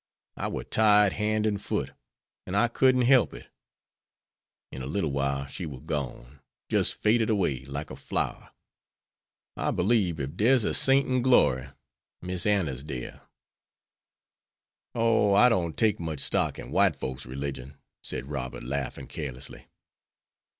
I war tied hand and foot, and I couldn't help it.' In a little while she war gone jis' faded away like a flower. I belieb ef dere's a saint in glory, Miss Anna's dere." "Oh, I don't take much stock in white folks' religion," said Robert, laughing carelessly.